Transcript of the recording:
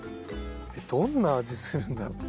どんな味するんだろう？